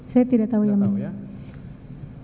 saya tidak tahu ya mli